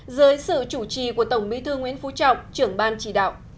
dưới sự chủ trì của tổng bí thư nguyễn phú trọng trưởng ban chỉ đạo